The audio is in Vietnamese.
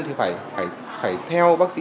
thì phải theo bác sĩ